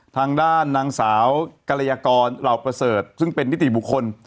ทางด้านนางสาวกรยากรเหล่าประเสริฐซึ่งเป็นนิติบุคคล